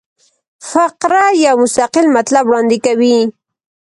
فقره یو مستقل مطلب وړاندي کوي.